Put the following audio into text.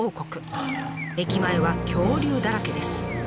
駅前は恐竜だらけです。